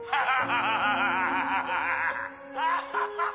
ああ。